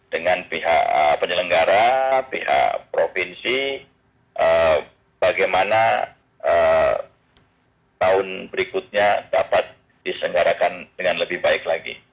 dengan pihak penyelenggara pihak provinsi bagaimana tahun berikutnya dapat diselenggarakan dengan lebih baik lagi